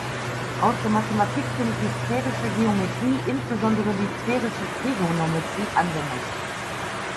Aus der Mathematik findet die Sphärische Geometrie, insbesondere die Sphärische Trigonometrie, Anwendung.